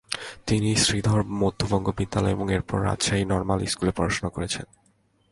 তিনি শ্রীধর মধ্যবঙ্গ বিদ্যালয় এবং এরপর রাজশাহী নর্মাল স্কুলে পড়াশোনা করেছেন।